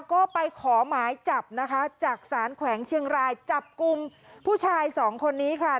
ก็ไปขอหมายจับนะคะจากสารแขวงเชียงรายจับกลุ่มผู้ชายสองคนนี้ค่ะ